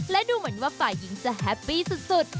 และดูเหมือนว่าฝ่ายหญิงจะแฮปปี้สุด